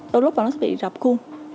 đôi lúc nó sẽ bị rập khuôn